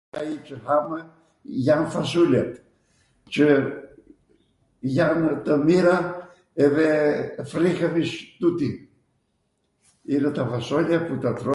nani qw hamw, jan fasule, qw janw tw mira edhe frihemi tuti,